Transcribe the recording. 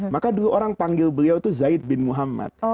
maka dulu orang panggil beliau itu zaid bin muhammad